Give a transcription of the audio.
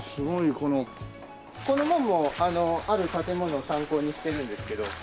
この門もある建物を参考にしてるんですけど。